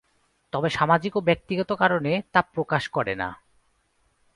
তবে সামাজিক ও ব্যক্তিগত কারণে তা প্রকাশ করে না।